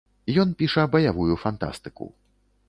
Ён піша баявую фантастыку.